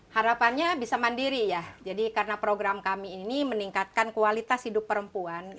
harapannya bisa mandiri ya jadi karena program kami ini meningkatkan kualitas hidup perempuan